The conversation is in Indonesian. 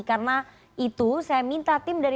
karena itu saya minta tim dari